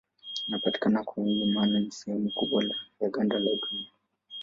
Inapatikana kwa wingi maana ni sehemu kubwa ya ganda la Dunia.